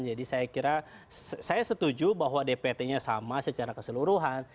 jadi saya kira saya setuju bahwa dpt nya sama secara keseluruhan